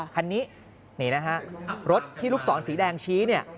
คันนี้รถที่ลูกศรสีแดงชี้